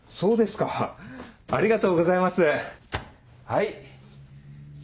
はい。